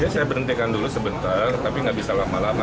saya berhentikan dulu sebentar tapi nggak bisa lama lama